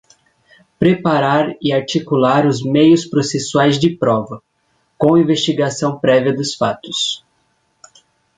Preparar e articular os meios processuais de prova, com investigação prévia dos fatos.